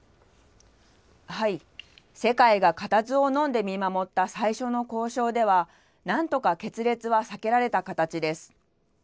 世界が固唾をのんで見守った最初の交渉では、なんとか決裂は避けられた形です。